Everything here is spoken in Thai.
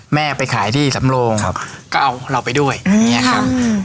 แม่ไปขายที่สำโลงครับก็เอาเราไปด้วยอย่างเงี้ยครับ